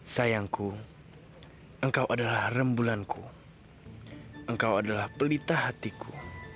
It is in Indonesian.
sayangku engkau adalah rembulanku engkau adalah pelita hatiku